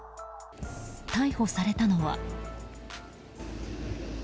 逮捕されたのは。